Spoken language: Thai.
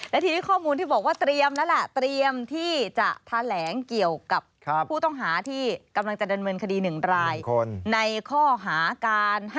แล้วทีนี้ข้อมูลที่บอกว่าเตรียมแล้วแหละ